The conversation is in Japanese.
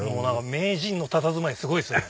名人のたたずまいすごいっすね。